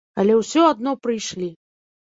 Але ўсё адно прыйшлі.